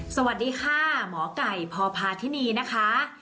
สวัสดีค่ะหมอไก่พพาธินีนะคะ